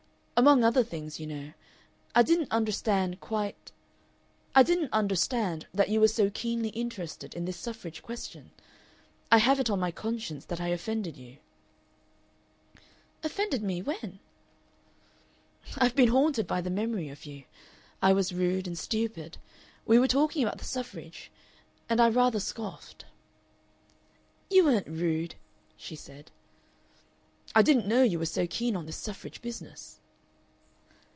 "Among other things, you know, I didn't understand quite I didn't understand that you were so keenly interested in this suffrage question. I have it on my conscience that I offended you " "Offended me when?" "I've been haunted by the memory of you. I was rude and stupid. We were talking about the suffrage and I rather scoffed." "You weren't rude," she said. "I didn't know you were so keen on this suffrage business."